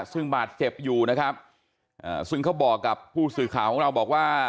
ซึ่งบาดเจ็บอยู่นะครับซึ่งเขาบอกกับผู้สื่อข่าวของเราบอกว่า